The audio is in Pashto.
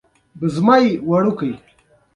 د هرات د ولایت مقام استقبال وکړ.